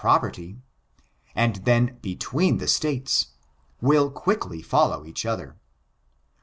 459 1 i property, and then between the states, will quickly follow each other.